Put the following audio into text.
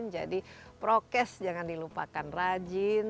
jadi prokes jangan dilupakan rajin